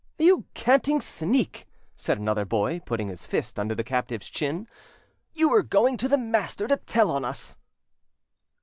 "You canting sneak!" said another boy, putting his fist under the captive's chin; "you were going to the master to tell of us."